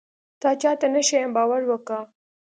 تا چاته نه ښيم باور وکه.